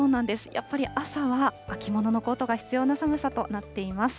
やっぱり朝は秋物のコートが必要な寒さとなっています。